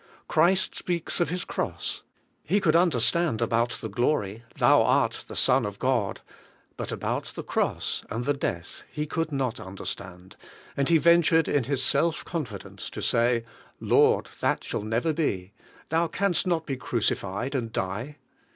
Christ speaks of His cross; He could understand about the glory, "Thou art the Son of God;" but about the cross and the death he could not understand, and he ventured in his self con fidence to say, "Lord, that shall never be; Thou canst not be crucified and die."